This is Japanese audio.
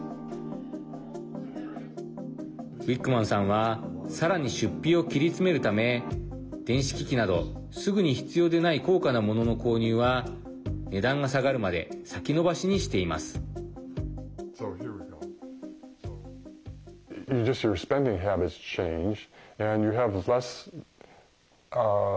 ウィックマンさんはさらに出費を切り詰めるため電子機器など、すぐに必要でない高価なものの購入は値段が下がるまで先延ばしにしています。